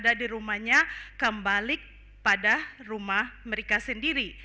berada di rumahnya kembali ke rumah mereka sendiri